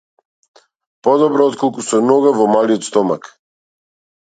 Подобро отколку со нога во малиот стомак.